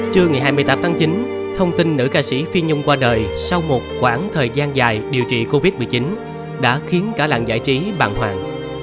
trưa ngày hai mươi tám tháng chín thông tin nữ ca sĩ phi nhung qua đời sau một khoảng thời gian dài điều trị covid một mươi chín đã khiến cả làng giải trí bằng hoàng